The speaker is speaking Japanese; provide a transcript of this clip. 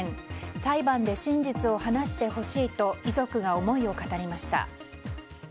裁判で真実を話してほしいと遺族が思いを語りました。